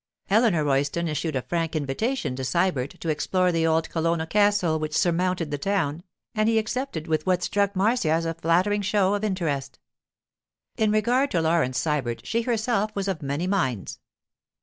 Eleanor Royston issued a frank invitation to Sybert to explore the old Colonna castle which surmounted the town, and he accepted with what struck Marcia as a flattering show of interest. In regard to Laurence Sybert she herself was of many minds.